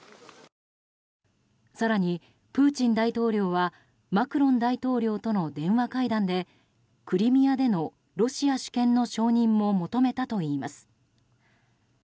更にプーチン大統領はマクロン大統領との電話会談でクリミアでのロシア主権の承認も求めたといいます。